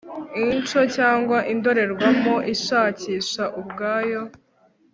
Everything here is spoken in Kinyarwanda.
Echo cyangwa indorerwamo ishakisha ubwayo